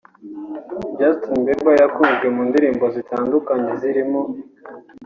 Justin Bieber yakunzwe mu ndirimbo zitandukanye zirimo